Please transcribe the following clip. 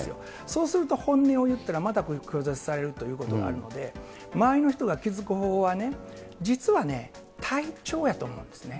そうすると本音を言ったらまた拒絶されるということがあるので、周りの人が気付く方法はね、実はね、体調やと思うんですね。